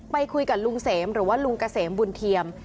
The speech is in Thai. ไปคุยกับลุงเสมหรือว่าลุงเกษมบุญเทียม